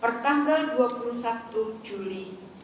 pertanggal dua puluh satu juli dua ribu dua puluh